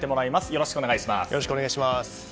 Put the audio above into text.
よろしくお願いします。